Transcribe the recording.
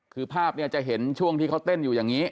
คือภาพเนี่ยจะเห็นช่วงที่เขาเต้นอยู่อย่างนี้